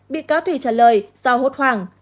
bị cáo thủy trả lời do hốt hoảng